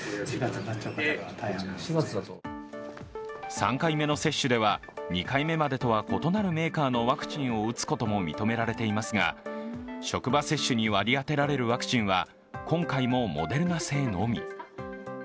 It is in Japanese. ３回目の接種では２回目までとは異なるメーカーのワクチンを打つことも認められていますが職場接種に割り当てられるワクチンは今回もモデルナ製のみ。